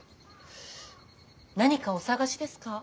何かお探しですか？